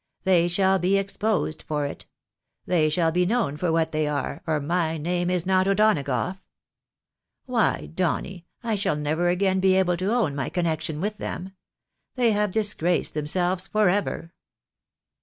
They shall be exposed for it. They shall be known for what they are, or my name is not O'Donagough. Why, Donny, I shall never again be able to own my connection with them. They have disgraced them selves for ever